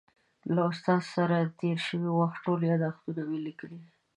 له استاد سره د تېر شوي وخت ټول یادښتونه مې لیکلي دي.